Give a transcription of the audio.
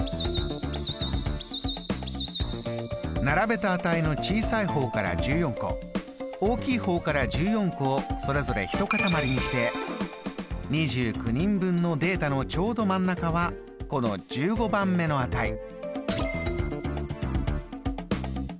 並べた値の小さい方から１４個大きい方から１４個をそれぞれ一塊にして２９人分のデータのちょうど真ん中はこの１５番目の値。